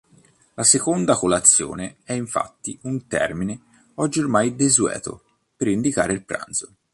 La "seconda colazione" è infatti un termine, oggi ormai desueto, per indicare il pranzo.